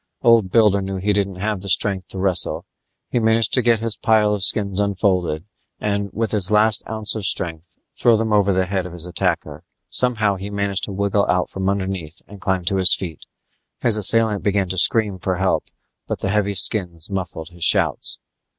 Old Builder knew he didn't have the strength to wrestle; he managed to get his pile of skins unfolded and, with his last ounce of strength, throw them over the head of his attacker. Somehow he managed to wiggle out from underneath and climb to his feet. His assailant began to scream for help, but the heavy skins muffled his shouts.